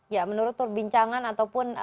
ya menurut perbincangan ataupun